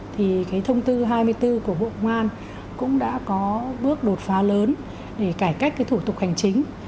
thì thông tư hai mươi bốn của hội ngoan cũng đã có bước đột phá lớn để cải cách thủ tục hành chính